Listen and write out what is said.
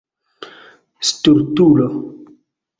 stultulo